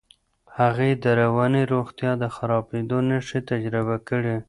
هغې د رواني روغتیا د خرابېدو نښې تجربه کړې.